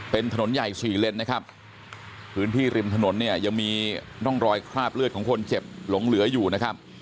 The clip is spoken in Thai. เป็นถนนใหญ่สี่เลนนะครับพื้นที่ริมถนนเนี่ยยังมีร่องรอยคราบเลือดของคนเจ็บหลงเหลืออยู่นะครับ